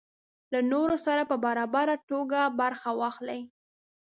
له نورو سره په برابره توګه برخه واخلي.